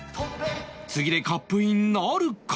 次でカップインなるか？